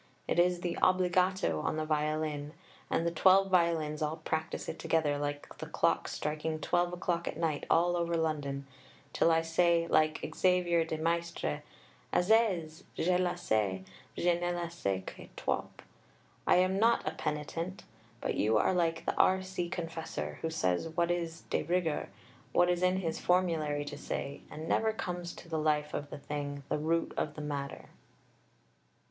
It is the obbligato on the violin, and the twelve violins all practise it together, like the clocks striking 12 o'clock at night all over London, till I say like Xavier de Maistre, Assez, je le sais, je ne le sais que trop. I am not a penitent; but you are like the R.C. Confessor, who says what is de rigueur, what is in his Formulary to say, and never comes to the life of the thing, the root of the matter.